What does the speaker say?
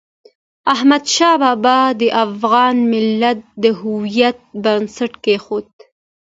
احمد شاه بابا د افغان ملت د هویت بنسټ کېښود.